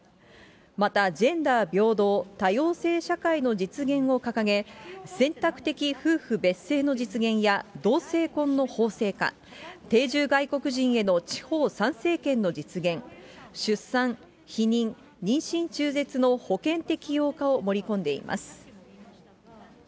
またジェンダー平等・多様性社会の実現を掲げ、選択的夫婦別姓の実現や、同性婚の法制化、定住外国人への地方参政権の実現、出産、避妊、妊娠中絶の保険適用化を盛り込んでいます。